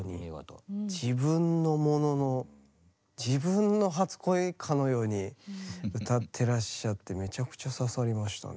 自分のものの自分の初恋かのように歌ってらっしゃってめちゃくちゃ刺さりましたね。